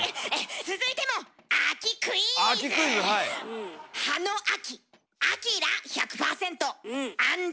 続いても秋クイズ！